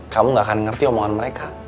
kamu gak akan ngerti omongan mereka